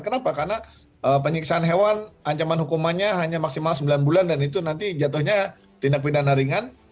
kenapa karena penyiksaan hewan ancaman hukumannya hanya maksimal sembilan bulan dan itu nanti jatuhnya tindak pidana ringan